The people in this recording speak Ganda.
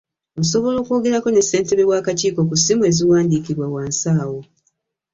Osobola okwogerako ne Ssentebe w’Akakiiko ku ssimu eziwadikibwa wansi awo.